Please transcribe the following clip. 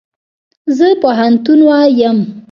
زه پوهنتون وایم